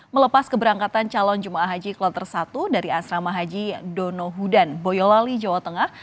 melepas keberangkatan calon jemaah haji kloter satu dari asrama haji donohudan boyolali jawa tengah